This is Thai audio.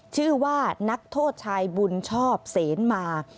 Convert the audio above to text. ชื่อว่านักโทษชายบุญชอบเสนมา